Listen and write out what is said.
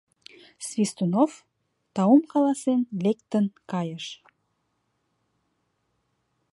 Свистунов, таум каласен, лектын кайыш.